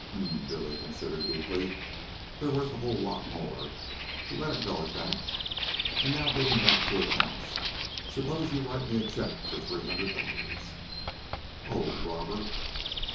"Hum." Billy considered deeply. "They're worth a whole lot more, but let it go at that. An' now, gettin' back to accounts, suppose you write me a check for three hundred dollars." "Oh! Robber!"